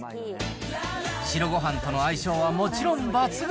白ごはんとの相性はもちろん抜群。